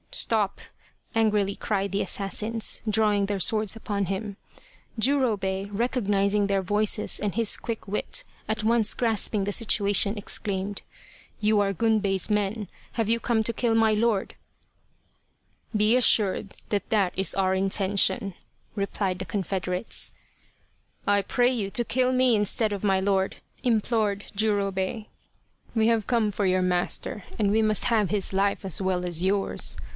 " Stop !" angrily cried the assassins, drawing their swords upon him. Jurobei, recognizing their voices and his quick wit at once grasping the situation, exclaimed :" You are Gunbei's men ! Have you come to kill my lord ?"" Be assured that that is our intention," replied the confederates. " I pray you to kill me instead of my lord," implored Jurobei. The Quest of the Sword " We have come for your master and we must have his life as well as yours.